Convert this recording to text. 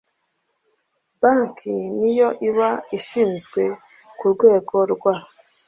banki ni yo iba ishinzwe ku rwego rwa